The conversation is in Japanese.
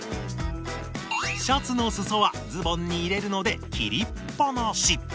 シャツのすそはズボンに入れるので切りっぱなし！